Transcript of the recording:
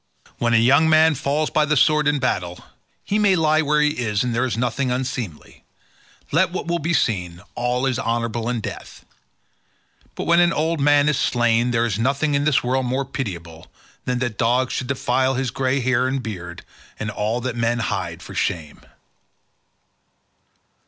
When a young man falls by the sword in battle, he may lie where he is and there is nothing unseemly; let what will be seen, all is honourable in death, but when an old man is slain there is nothing in this world more pitiable than that dogs should defile his grey hair and beard and all that men hide for shame."